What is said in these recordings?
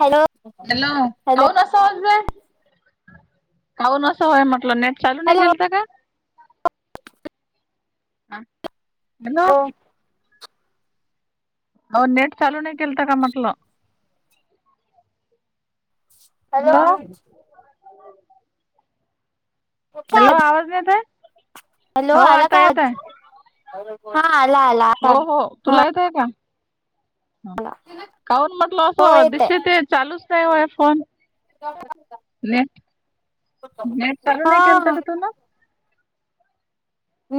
Hello. Hello hello काऊ नसा काऊ नस हो म्हटलं न? चालू नाही हॅलो घेलता का? हा हॅलो. हो नेट चालू नाही केल तर का म्हटलं? हॅलो. हॅलो आवाज नाही येत आहे हॅलो हो आला का आता येत आहे आवाज हा आला आला हो आता हो हा तुला येतो का? काून म्हटलं हो असं येतय दिश ते चालूच नाही वय फोन. नेट नेट चालू नाही केलता हा का तु ना?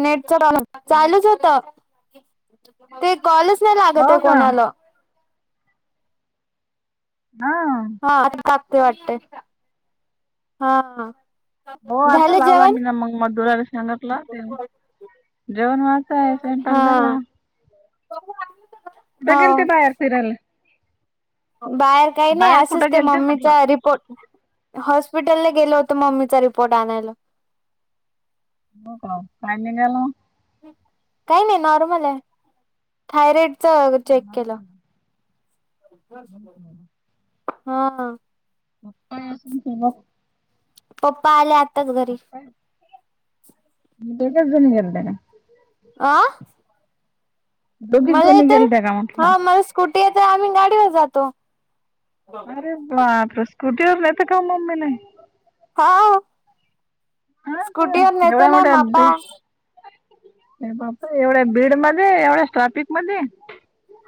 नेट च चालूच होत? ते कॉलच नाही हो लागत आहे का कोणाला. हा. हा अटकता वाटतं हा. हो आता झालं लावला जेवण मी ना मग मधुराला सांगटला ते. जेवण वाचय स्वयंपाक झाला. त आ बघेल ते बाहेर फिरायला बाहेर काही नाही बाहेर असंच कुठे ते गेलते म्हटलं मम्मीचा रिपोर्ट हॉस्पिटलला गेल होत मम्मीचा रिपोर्ट आणायला हो का काय निघाला काही नाही नॉर्मल आहे थायरॉइडच चेक केलं हा. म [unintelligible] पप्पा आले आताच घरी तेकचजणी गते ना आं दोघीच मला जणी तर गेलत्या का म्हटलं हा मला स्कुटी आहे तर आम्ही गाडीवर जातो. अरे बा आप स्कुटीवर नाहीेत का मम्मी नाही. हा हा का स्कुटीवर नेतो ना मापा. बाप एवढ्या बीड मध्ये एवढ्या ट्राफिक मध्ये,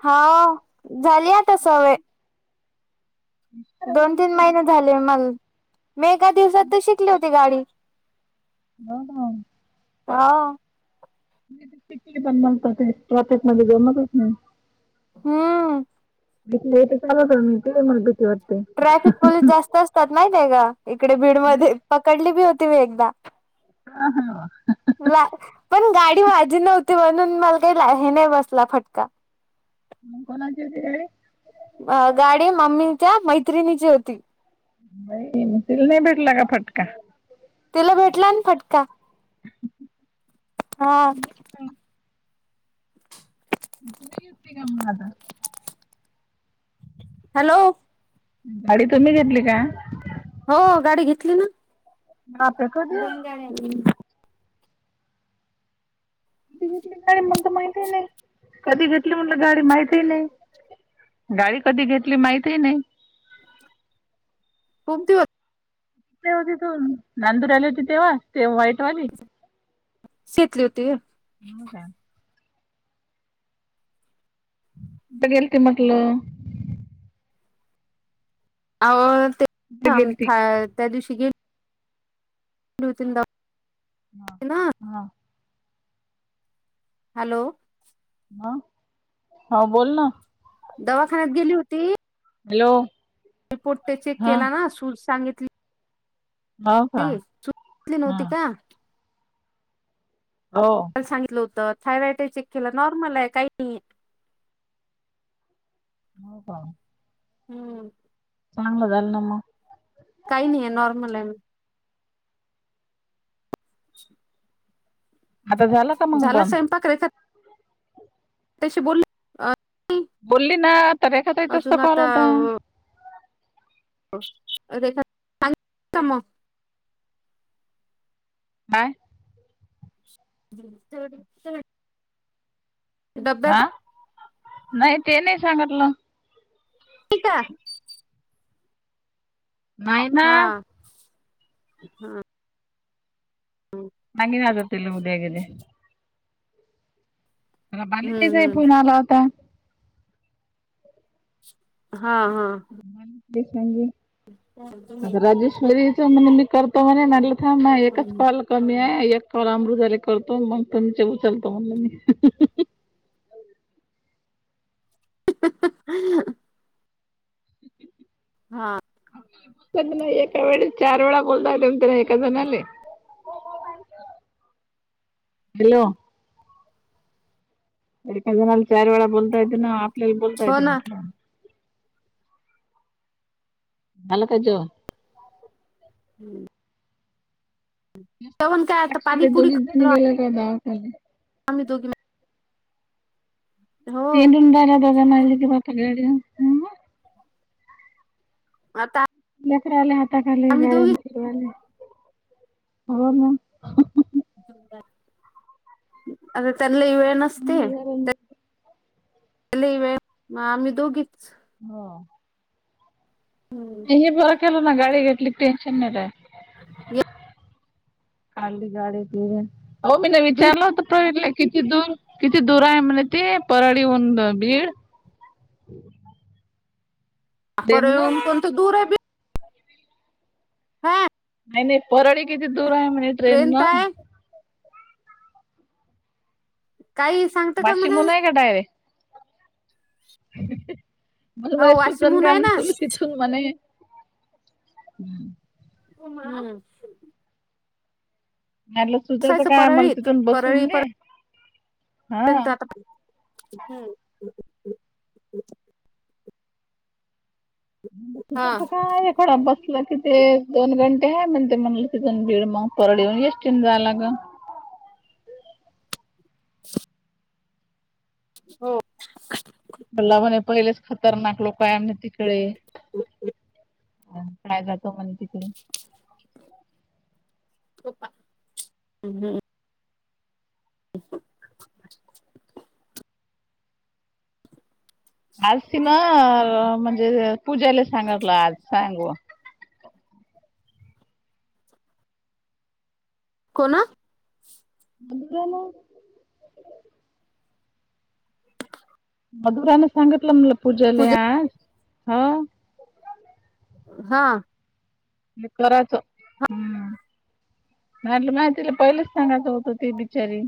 हो झाली आता सवय. दोन तीन महिने झाले मग, मी एका दिवसात तर शिकली होती गाडी. हो का. हा! म पिकली पण बणतात ते रतच म जमतच ना! हम्म! भलेथ चालूत मी ते मला भीती वाटते. ट्रॅफिक पोलीस जास्त असतात माहितय का इकडे भीड मध्ये पकडली बी होती मी एकदा, हा ह. ला पण गाडी माझी नव्हती म्हणून मला काही हे नाही बसला फटका, ह कोणाची होती गाडी. अ गाडी मम्मीच्या मैत्रिणीची होती. ई तल नाही भेटला का फटका, ला भेटला ना फटका. [unintelligible] हा! इथूनही घेतते का मला आता. हॅलो! गाडी तुम्ही घेतली का? हो गाडी घेतली ना बापरे दोन कधी गाड कधी घेतली गाडी म्हणत माहित नाही कधी घेतली म्हणलं गाडी माहती ह नाही. गाडी कधी घेतली माहित ह नाही. खूप दिवस. होती तू नंदूर आली होती तेव्हा ते वा्हाईटवाली. शेतले होते. हो का! ब गेल ते मगलं, अ ते कुठे गेलती? त्या दिवशी गे [unintelligible] हा ना दवाखान्यात. हा हॅलो! ह हा बोल ना! दवाखान्यात गेली होती. हॅलो! रिपोर्ट ते चेक हा केला ना सू सांगितली. होऊ का सूज हा! नव्हती का हो ल सांगितलं होतं थायरॉइड चेक केला नॉर्मल आहे काही नाही. हो का! हम्म! चांगलं जालना म काही नाही आहे नॉर्मल आहे म. [unintelligible] आता झालं का मंग बंद. तसे बोल. सकाळी सकाळी तोच तो अजून कॉल आता होता. [unintelligible] बााय [unintelligible] डब्याचा. हा नाही ते नाही सांगितलं. [unintelligible] नाही ना. हा. [unintelligible] उद्या गेले. मला बलिताईचा फोन हम्म आला होता. हा हा ां आता राजेश्वरीच म्हणून मी करतो म्हणे म्ह हां म ए एकच कॉल कमी आहे. एक कॉल अमृताला, एक कॉल तुम मग तुमचे उचलतो म्हण मी हाह हहह. हह हाह अ हा म ना एका वेळे चार वेळा बोलदते ना एका जनाले हॅलो एका जणाला चार वेळा बोलता येते ना, आपल्याला बोलता हो येते ना म्हटलं झाल का जेवण? हम्म. आता [unintelligible] पाणीपुरी खाऊ दोघीजणीच गेल्या होत्या दवाखान्यात. आम्ही दोघी मे [unintelligible] आता लेकराला आता खाली आम्ही गाडी दोघी फिरवा हो म आता त्यांनलाही वेळ नसते. म आम्ही दोघीच. हो नाही हे बारक्याला ना गाडी गा कली टेन्शन नाही रा ये, खाली गाडी फिर हो मी नाही बीड विचारलं होत प्रवीण कती दूर कती दूरा आहे म्ह ते परराळी होऊन बीड हम् प कोणत दूर बी हा नाही नाही परळी किती दूर आहे म्हणे ट्रेन न तर आहे काही सांगतं का बार्शी म्हणा हूना आहे डायरे? मला मला हो सूचन वाशिमहून आहे ना कामल तिथून मणे हम्म हो नाहीलं सुधायचं काय आ मला परळीत तिथून बसून परळी दे हा [unintelligible] ब हा तरच काय एकोडा बस कि ते दोन घंटे ह म्हण ते म्हणलं तिथून भीड मग परड येऊन येष्टीन जाला लागण ह् [unintelligible] हो. बला म्हणे पहिलेच खतरनाक लोकयम तिकडे [inaudible] आम्हीं खेळायला जातो म्हणे तिकडे. झोपा. अहं. [inaudible] आज तिनं, अ म्हणजे पूज्याला सांगलं आज, सांग व कोणं? मधुराला मधुरान सांगितलं म्हणलं पूजाले पूजा आज. ह हां. न कराच हं. मला वाटलं माह्या तिडल पहिलेच सांगायचं होत ती बिचारी.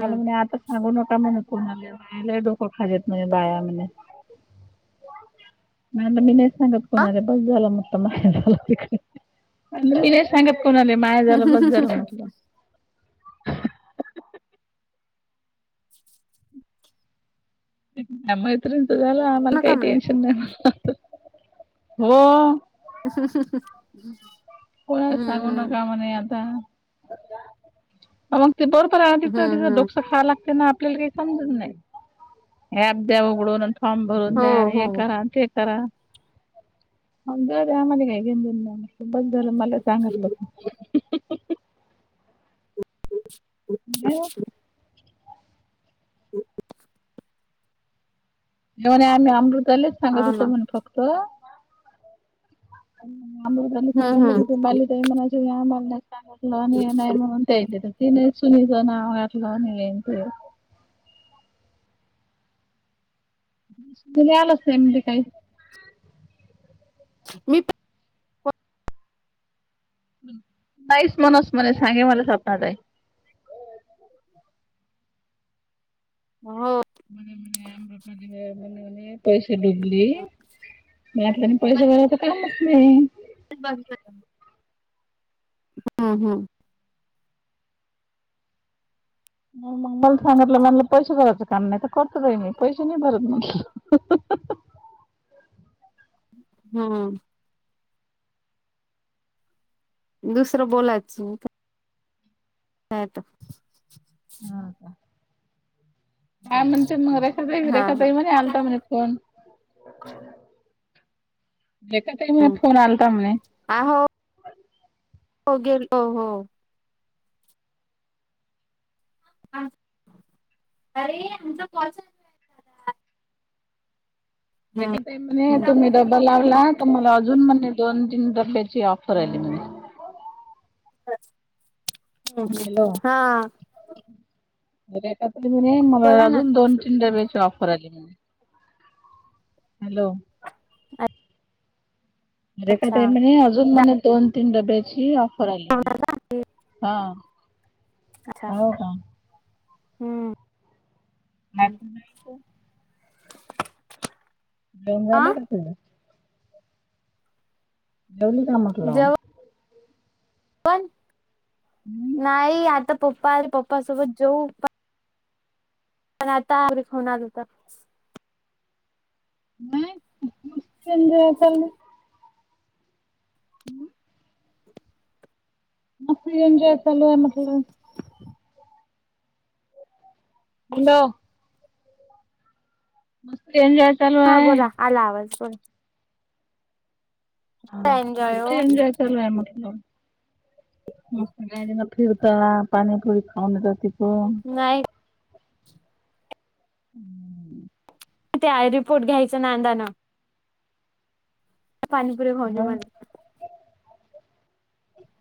मला म्हणे आता सांगू नका म्हणे कुणाले. बाया लई डोक खातात बाया म्हणे. म्या म्हणे न सांगत हा कोणाले. बस झालं म्हणलं माह्या झालं इकडे. मी नही सांगत. कोणाले माया झालं बस झालं म्हटलं. मैत्रीणचं झालं, आमला नका काही म्हणे टेनशन नाही म्हटलं. हो. [unintelligible] कोणाला हम्म सांगू हम्म नका म्हणे आता. अ मंग ते बरोबर आहे ना तिचं. हम्म तिचं हम्म डोकसं खाय लागते ना आप पल्याला काही समजत नाही. हे ऍप द्या उघडून, अन् फॉर्म भरून द्या अन् हो हे हो करा ते कर करा. अवघड ये आम्हाला काय घेण देणं नाही. म्हणलं बरं झालं मला सांगतल. नाही [inaudible] [inaudible] कोण्या आम्ही अमृतालाच सांगत हा ना होतो म्हणे फक्त. आम्ही घरी हम्म सांगीतलं की, हम्म ते बाली ताई म्हणायची की आमाल नही सांगीतलं आणि हे नाही म्हणून ते केलं. ते नाही सुनीलच नाव घातलं आम्ही हेन ते. सुनील आलाच नाही म्हणले काही. मी प नाहीच म्हणूस म्हणे सांगे मला स्वपनात आहे. पण- हो [unintelligible] डुबली. मला वाटल्यानी पैशे भरायच कामच नाही. [unintelligible] हं हं. म म मग मला सांगितलं. म्हणलं पैसे भरायचं काम नाही तर करतो बाई मी. पैसे नाही भरत म्हटलं. [inaudible] हं. दुसरं बोलायच होतं. [unintelligible] हा का? काय म्हण ते मग रेखा ताई? हा रेखा हा ताई म्हणे आलता म्हने फोन. रेखा ताई म्हणे, फोन आलाता म्हणे. आ हो हो गेलतो, हो. [unintelligible] आहे. रेखा ताई म्हणे हम्म, तुम्ही डब्बा लावलात, त मला अजून म्हणे दोन तीन डब्ब्याची ऑफर आली म्हणे. हं हं, हा. एकात ती म्हणे मला बोला ना अजून दोन चिंदें ऑफर आली म्हणे, हॉलो. अ. रेखा ताई म्हने, आजुन म्हणे, दोन तीन डब्ब्यांची ऑ हा. अच्छा होव का? हम्म. नाही खू, नाही खू. जेवन हा झाल का? जेवली का? म्हटलं. पण नाही आता पप्पा पप्पासोबत जेऊ. पनाआता रिख होना देता. ह आप [unintelligible] हम्म. मस्त एंजॉय चालूये मतलब. हॅलो. मस्त एनजॉय चालू हा आहेय. बोला आला आवाज बोला हा एन्जॉय मस्त हो एंजाय चालू मग त. म फिरायला गेल्यावर फिरता, पाणी पुुरी खाऊन येता तीकून. नाय. हम्म [inaudible] ते आहे रिपोर्ट घ्यायच नांदना. पाणीपुरे खाऊ ये हा. म्हणी.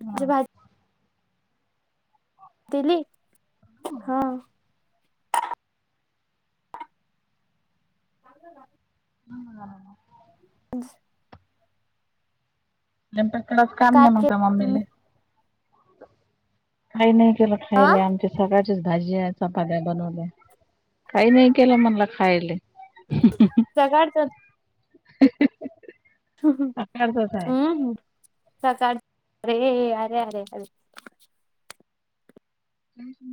हा. भाजी दिली हा. ह [inaudible] ह [inaudible] बस [inaudible] पण कच काम काय नाही म्हगता तुम्ही मम्मीले. काही नाही केल हा खायला, आमच्या सकाळ त भाजी चपात्या बनवल्या, काही नाही केलंय मणला खायले. सकाळचच. ह [unintelligible] हम्म हम्म. काढ, अरे अरे अरे अरे.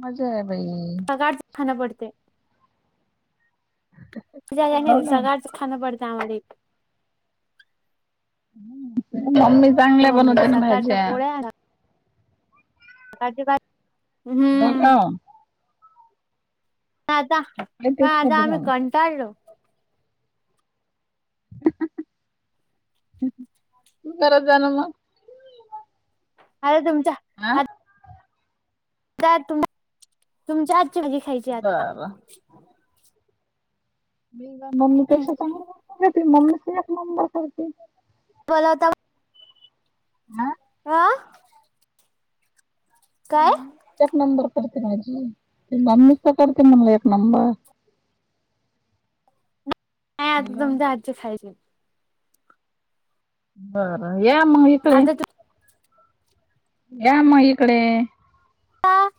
मजाय. पगार खाण पडते. तुझ्याग हो नाही, ना. सगळच खाणं पडतं आम्हाला. इथं मम्मी चांगल्या मम्मी बनवते ना सकाळच्या भाज्या. अजीबात, हो हम्म. का आता काय पण तेच आज खाते का आम्ही मग. कंटाळलो. करत जाणा मग. अरे तुमच्या हा आ तु तुमच्या हातची भाजी खायची, आता. बरं. मी श मम्मीपेक्षा चांगली मम्मी एक नंबर करते. बोला होता. हा. आह. मम्मीच एक नंबर करते. ते माझी, म्मीच त करते म्हणल एक नंबर. नाही आज हॅलो तुमचा हातची खायचे बरं या मग इकडे आता तू या म इकडे. ह.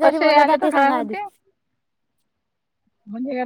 कधी तसे बोलत आले आहात तर ते काय सांगा आधी होते म्हणजे.